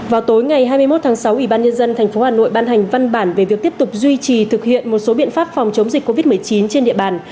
vào tối ngày hai mươi một tháng sáu ủy ban nhân dân tp hà nội ban hành văn bản về việc tiếp tục duy trì thực hiện một số biện pháp phòng chống dịch covid một mươi chín trên địa bàn